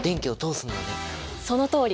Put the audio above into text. そのとおり！